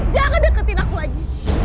jangan deketin aku lagi